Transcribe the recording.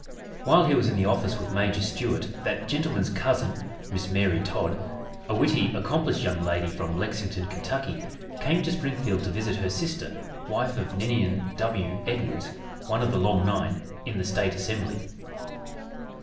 While he was in the office with Major Stuart that gentleman's cousin, Miss Mary Todd, a witty, accomplished young lady from Lexington, Kentucky, came to Springfield to visit her sister, wife of Ninian W. Edwards, one of the "Long Nine" in the State Assembly.